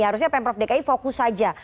harusnya pemprov dki fokus saja